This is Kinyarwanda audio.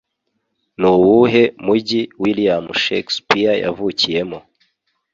Nuwuhe mujyi William Shakespeare yavukiyemo